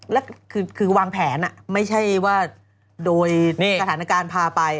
แล้วคือวางแผนไม่ใช่ว่าโดยสถานการณ์พาไป